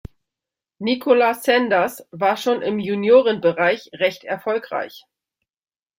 Nicola Sanders war schon im Juniorenbereich recht erfolgreich.